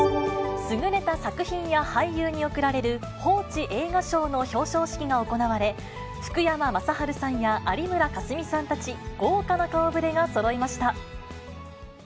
優れた作品や俳優に贈られる報知映画賞の表彰式が行われ、福山雅治さんや有村架純さんたち、豪華な顔ぶれがそろいました。